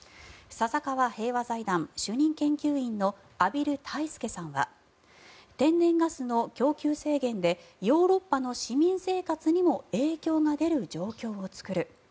笹川平和財団主任研究員の畔蒜泰助さんは天然ガスの供給制限でヨーロッパの市民生活にも影響が出る状況を作る。